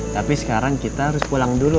tapi sekarang kita harus pulang dulu